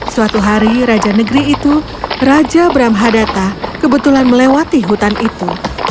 suatu hari raja negeri itu raja brahmhadatta kebetulan melewati hutan itu